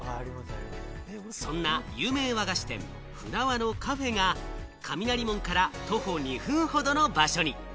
そんな有名和菓子店・舟和のカフェが、雷門から徒歩２分ほどの場所に。